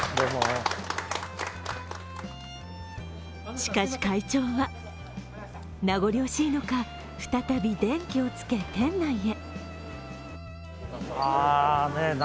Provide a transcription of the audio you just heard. しかし会長は名残惜しいのか再び電気をつけ店内へ。